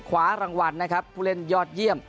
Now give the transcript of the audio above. คว้ารางวัลนะครับผู้เล่นยอดเยี่ยม